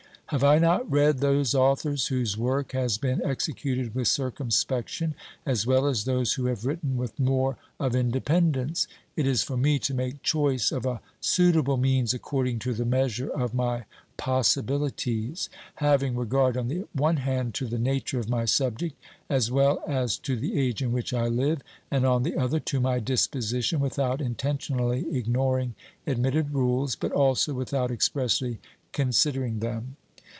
Have I not read those authors whose work has been executed with circumspection, as well as those who have written with more of independence ? It is for me to make choice of a suitable means according to the measure of my possibilities, having regard, on the one hand, to the nature of my subject, as well as to the age in which I live, and, on the other, to my disposition, without intentionally ignoring admitted rules, but also without expressly considering them.